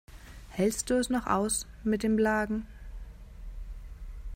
Hältst du es noch aus mit den Blagen?